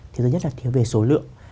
thứ nhất là thiếu về số lượng